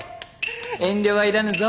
遠慮はいらぬぞ。